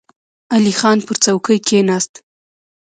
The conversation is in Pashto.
علی خان پر څوکۍ کېناست.